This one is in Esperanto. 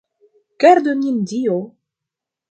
Gardu nin Dio!